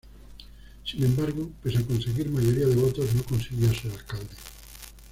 Sin embargo, pese a conseguir mayoría de votos, no consiguió ser alcalde.